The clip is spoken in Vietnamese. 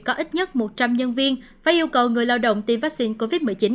có ít nhất một trăm linh nhân viên phải yêu cầu người lao động tiêm vaccine covid một mươi chín